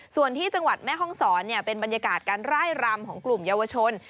ส่วนที่จังหวัดแม่ห้องศรเป็นบรรยากาศการไล่รำของกลุ่มเยาวชน